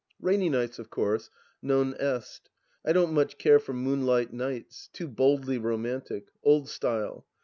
Rainy nights, of course non est. I don't much care for moonlight nights — too boldly romantic. Old style.